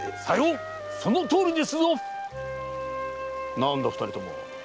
なんだ二人とも。